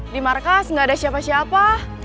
di markas nggak ada siapa siapa